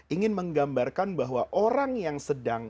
ingin menggambarkan bahwa orang yang sedang